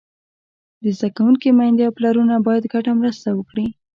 د زده کوونکو میندې او پلرونه باید ګډه مرسته وکړي.